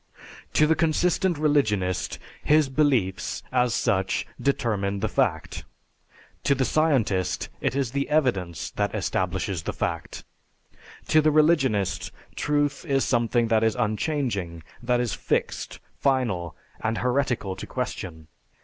To the consistent religionist, his belief, as such, determine the fact; to the scientist it is the evidence that establishes the fact. To the religionist truth is something that is unchanging, that is fixed, final, and heretical to question.